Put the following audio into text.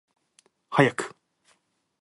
早く